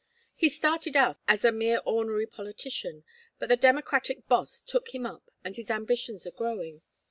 He started out as a mere or'nary politician, but the Democratic Boss took him up and his ambitions are growing.